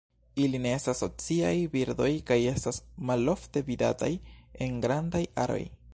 Ili ne estas sociaj birdoj kaj estas malofte vidataj en grandaj aroj.